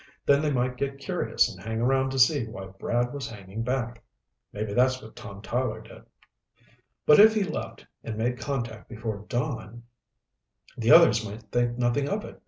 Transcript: Then they might get curious and hang around to see why Brad was hanging back. Maybe that's what Tom Tyler did." "But if he left and made contact before dawn, the others might think nothing of it.